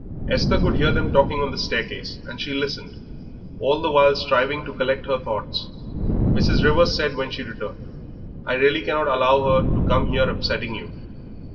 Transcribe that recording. Esther could hear them talking on the staircase, and she listened, all the while striving to collect her thoughts. Mrs. Rivers said when she returned, "I really cannot allow her to come here upsetting you."